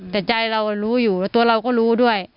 แต่ใจเราน่ารู้อยู่และแล้วก็รู้